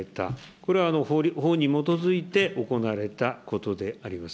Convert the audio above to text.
これは法に基づいて行われたことであります。